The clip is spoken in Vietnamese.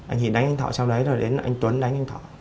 anh nhị đánh anh thọ sau đấy rồi đến anh tuấn đánh anh thọ